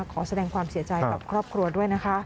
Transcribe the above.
ขอแสดงความเสียใจกับครอบครัวด้วยนะคะ